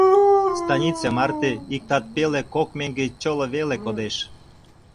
Станице марте иктат пеле – кок меҥге чоло веле кодеш.